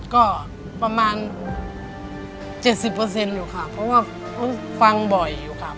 ก็ประมาณเจ็ดสิบเปอร์เซ็นต์อยู่ค่ะเพราะว่าฟังบ่อยอยู่ค่ะ